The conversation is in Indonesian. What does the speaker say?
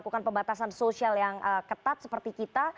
melakukan pembatasan sosial yang ketat seperti kita